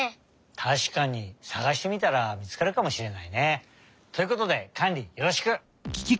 たしかにさがしてみたらみつかるかもしれないね。ということでカンリよろしく！